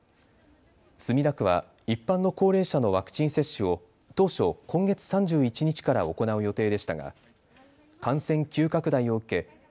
墨田区は一般の高齢者のワクチン接種を当初、今月３１日から行う予定でしたが感染急拡大を受け